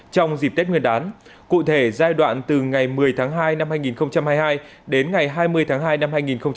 trong dịp tết nguyên đán cụ thể giai đoạn từ ngày một mươi tháng hai năm hai nghìn hai mươi hai đến ngày hai mươi tháng hai năm hai nghìn hai mươi